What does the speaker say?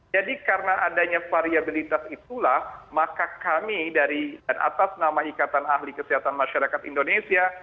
jadi karena adanya variabilitas itulah maka kami dari atas nama ikatan ahli kesehatan masyarakat indonesia